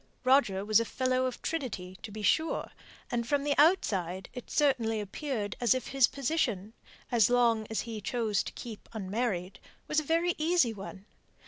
Roger was Fellow of Trinity, to be sure; and from the outside it certainly appeared as if his position, as long as he chose to keep unmarried, was a very easy one.